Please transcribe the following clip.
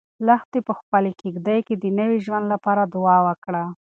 لښتې په خپلې کيږدۍ کې د نوي ژوند لپاره دعا وکړه.